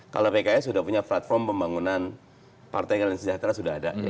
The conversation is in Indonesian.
kalau pks sudah punya platform pembangunan partai keadilan sejahtera sudah ada